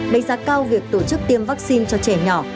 đánh giá cao việc tổ chức tiêm vaccine cho trẻ nhỏ